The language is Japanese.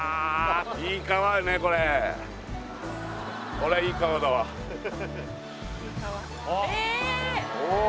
これはいい川だわおっ